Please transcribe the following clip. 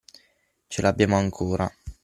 Ce l'abbiamo ancora.